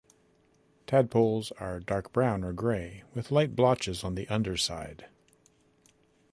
Tadpoles are dark brown or grey, with light blotches on the underside.